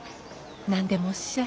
何でもおっしゃい。